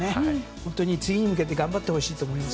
本当に次に向けて頑張ってほしいと思います。